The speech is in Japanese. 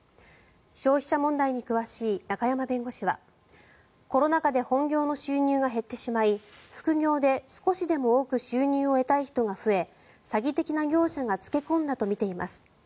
消費者問題に詳しい中山弁護士はコロナ禍で本業の収入が減ってしまい副業で少しでも多く収入を得たい人が増え詐欺的な業者が付け込んだとみています。